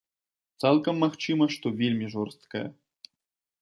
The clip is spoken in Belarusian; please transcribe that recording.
Цалкам магчыма, што вельмі жорсткая.